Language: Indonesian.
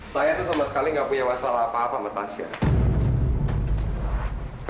saya tuh sama sekali gak punya masalah apa apa sama tasya